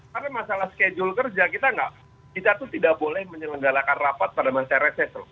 karena masalah schedule kerja kita tidak boleh menyelenggarakan rapat pada masa reses loh